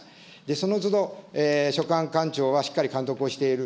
そのつど、所管官庁はしっかり監督をしている。